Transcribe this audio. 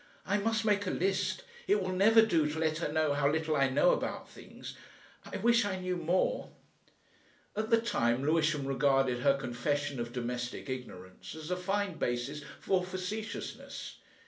I must make a list. It will never do to let her know how little I know about things.... I wish I knew more." At the time Lewisham regarded her confession of domestic ignorance as a fine basis for facetiousness.